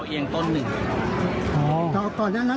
จึงไม่ได้เอดในแม่น้ำ